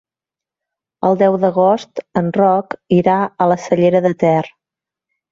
El deu d'agost en Roc irà a la Cellera de Ter.